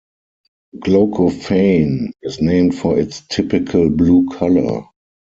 Glaucophane is named for its typical blue color.